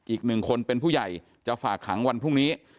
อีกหนึ่งคนเป็นผู้ใหญ่จะฝากขังวันพรุ่งนี้